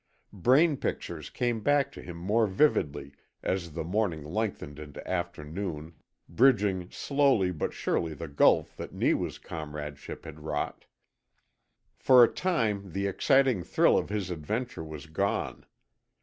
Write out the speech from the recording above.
Brain pictures came back to him more vividly as the morning lengthened into afternoon, bridging slowly but surely the gulf that Neewa's comradeship had wrought. For a time the exciting thrill of his adventure was gone.